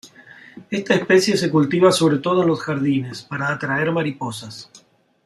Esta especie se cultiva sobre todo en los jardines para atraer mariposas.